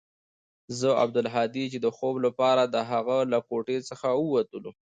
زه او عبدالهادي چې د خوب لپاره د هغه له کوټې څخه وتلو.